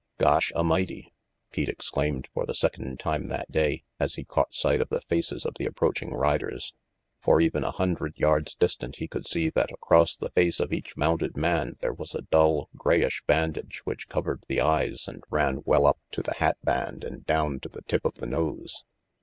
" Gosh A'mighty !" Pete exclaimed for the second time that day, as he caught sight of the faces of the approaching riders. For even a hundred yards distant he could see that across the face of each mounted man there was a dull, grayish bandage which covered the eyes and ran well up to the hat band and down to the tip of the nose.